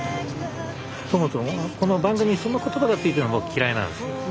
そもそもこの番組その言葉がついてるのが僕嫌いなんですよ。